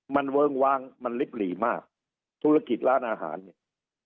มันเวิ้งวางมันลิบหลีมากธุรกิจร้านอาหารเนี่ย